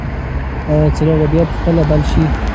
ایا څراغ به بیا په خپله بل شي؟